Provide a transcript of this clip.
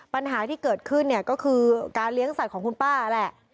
ปัญหาที่เกิดขึ้นเนี่ยก็คือการเลี้ยงสัตว์ของคุณป้าแหละ